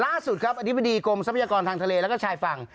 ล่าสุดครับอธิบดีกรมทรัพยากรทางทะเลแล้วก็ชายฝั่ง